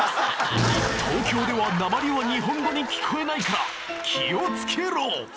東京では、なまりは日本語に聞こえないから気をつけろ！